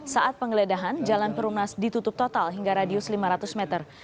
saat penggeledahan jalan perumnas ditutup total hingga radius lima ratus meter